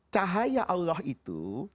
cahaya allah itu